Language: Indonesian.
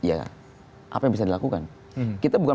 ya apa yang bisa dilakukan kita bukan